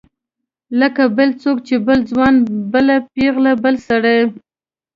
لکه بل څوک بل ځوان بله پیغله بل سړی.